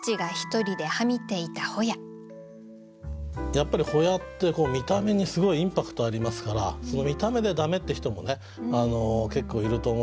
やっぱり海鞘って見た目にすごいインパクトありますからその見た目で駄目って人も結構いると思うんですけど。